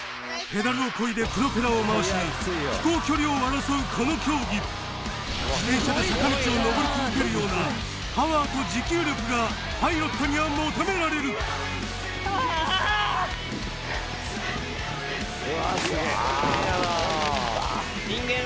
ペダルを漕いでプロペラを回し飛行距離を争うこの競技自転車で坂道を上り続けるようなパワーと持久力がパイロットには求められるうわぁすげぇ。